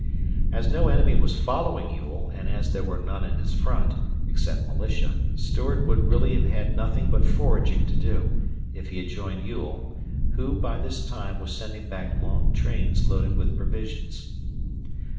As no enemy was following Ewell, and as there was none on his front, except militia, Stuart would really have had nothing but foraging to do, if he had joined Ewell, who, by this time, was sending back long trains loaded with provisions.